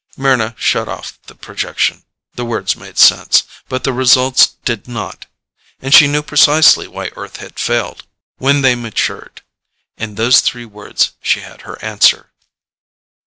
Mryna shut off the projection. The words made sense, but the results did not. And she knew precisely why Earth had failed. When they matured in those three words she had her answer.